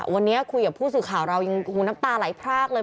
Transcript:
วันนี้คุยกับผู้สื่อข่าวเรายังหูน้ำตาไหลพรากเลย